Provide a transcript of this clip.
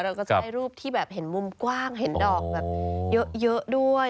เราก็จะได้รูปที่แบบเห็นมุมกว้างเห็นดอกแบบเยอะด้วย